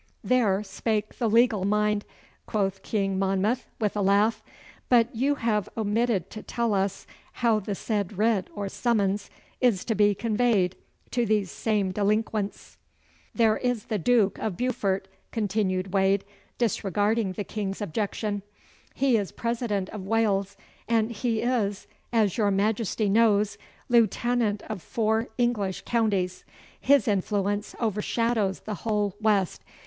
'There spake the legal mind,' quoth King Monmouth, with a laugh. 'But you have omitted to tell us how the said writ or summons is to be conveyed to these same delinquents.' 'There is the Duke of Beaufort,' continued Wade, disregarding the King's objection. 'He is President of Wales, and he is, as your Majesty knows, lieutenant of four English counties. His influence overshadows the whole West.